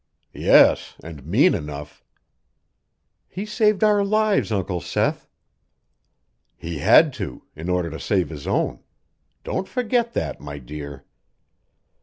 "Yes, and mean enough." "He saved our lives, Uncle Seth." "He had to in order to save his own. Don't forget that, my dear."